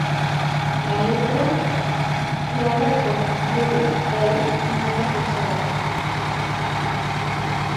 La letra, creada por Buddy Kaye, nunca fue usada.